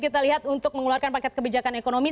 kita lihat untuk mengeluarkan paket kebijakan ekonomi